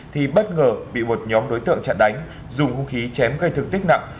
thì bất ngờ bị một nhóm đối tượng chặn đánh dùng hung khí chém gây thương tích nặng